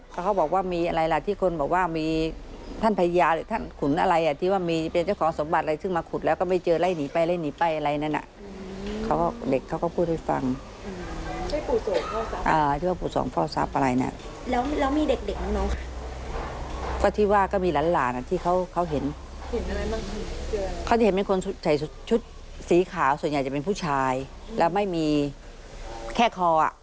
สีขาวส่วนใหญ่จะเป็นผู้ชายแล้วไม่มีแค่คอ